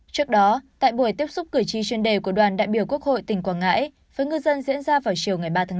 trước đó tại buổi tiếp xúc cử tri chuyên đề của đoàn đại biểu quốc hội tỉnh quảng ngãi với ngư dân diễn ra vào chiều ngày ba tháng năm